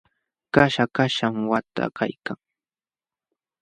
Kaśha kaśham waqta kaykan.